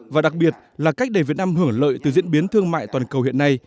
và đặc biệt là cách để việt nam hưởng lợi từ diễn biến thương mại toàn cầu hiện nay